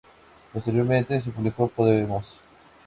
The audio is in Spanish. Posteriormente se publicó "Podemos!